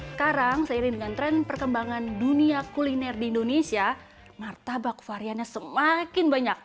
sekarang seiring dengan tren perkembangan dunia kuliner di indonesia martabak variannya semakin banyak